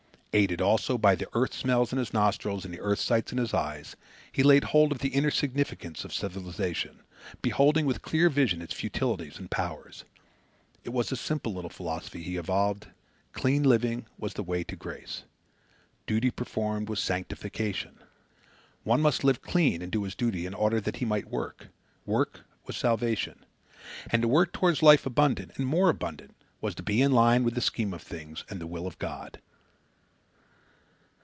Aided, also, by the earth smells in his nostrils and the earth sights in his eyes, he laid hold of the inner significance of civilization, beholding with clear vision its futilities and powers. It was a simple little philosophy he evolved. Clean living was the way to grace. Duty performed was sanctification. One must live clean and do his duty in order that he might work. Work was salvation. And to work toward life abundant, and more abundant, was to be in line with the scheme of things and the will of God.